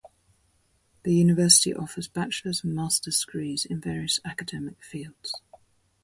The University offers bachelor's and master's degrees in various academic fields.